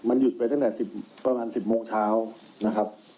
มันหยุดไปตั้งแต่ประมาณ๑๐โมงเช้านะครับ